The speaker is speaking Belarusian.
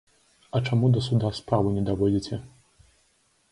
А чаму да суда справу не даводзіце?